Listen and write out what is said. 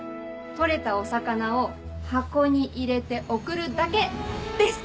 取れたお魚を箱に入れて送るだけです！